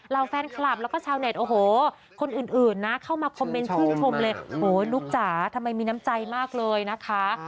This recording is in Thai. แฟนคลับแล้วก็ชาวเน็ตโอ้โหคนอื่นนะเข้ามาคอมเมนต์ชื่นชมเลยโหลูกจ๋าทำไมมีน้ำใจมากเลยนะคะ